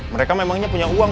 mereka memangnya punya uang